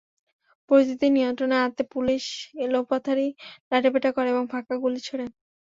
পরিস্থিতি নিয়ন্ত্রণে আনতে পুলিশ এলোপাতাড়ি লাঠিপেটা করে এবং ফাঁকা গুলি ছোড়ে।